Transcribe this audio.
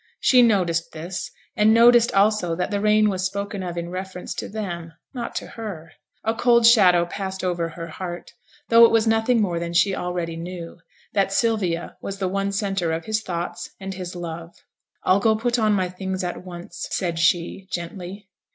She noticed this, and noticed also that the rain was spoken of in reference to them, not to her. A cold shadow passed over her heart, though it was nothing more than she already knew that Sylvia was the one centre of his thoughts and his love. 'I'll go put on my things at once,' said she, gently.